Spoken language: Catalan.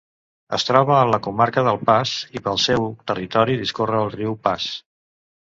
Es troba en la comarca del Pas i pel seu territori discorre el Riu Pas.